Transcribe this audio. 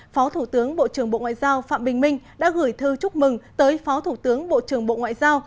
phó thủ tướng bộ trưởng bộ ngoại giao phạm bình minh đã gửi thư chúc mừng tới phó thủ tướng bộ trưởng bộ ngoại giao